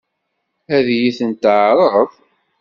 Ad iyi-ten-teɛṛeḍ?